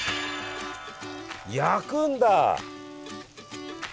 焼くんだ！